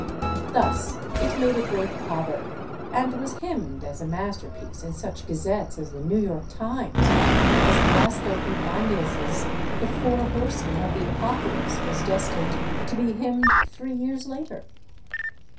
Thus it made a great pother, and was hymned as a masterpiece in such gazettes as the New York Times, as Blasco Ibáñez's "The Four Horsemen of the Apocalypse" was destined to be hymned three years later.